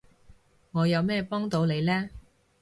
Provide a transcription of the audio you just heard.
我有咩幫到你呢？